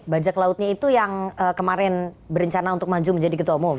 bajak lautnya itu yang kemarin berencana untuk maju menjadi ketua umum